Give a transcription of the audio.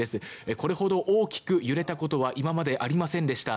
これほど大きく揺れたことは今までありませんでした。